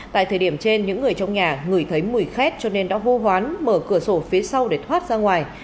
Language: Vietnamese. tại thời điểm trên những người trong nhà ngửi thấy mùi khét cho nên đã hô hoán mở cửa sổ phía sau để thoát ra ngoài